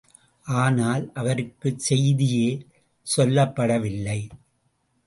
ஆனால், அவருக்குச் செய்தியே சொல்லப்படவில்லையே!